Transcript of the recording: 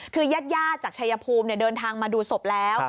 คือญาติจากชายภูมิเดินทางมาดูศพแล้ว